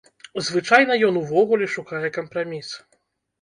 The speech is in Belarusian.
Звычайна ён увогуле шукае кампраміс.